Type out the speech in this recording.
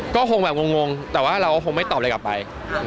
ก็คงแบบงงแต่ว่าเราก็คงไม่ตอบอะไรกลับไป